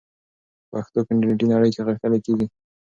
پښتو په انټرنیټي نړۍ کې غښتلې کړئ.